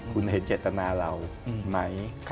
คุณเห็นเจตนาเราไหม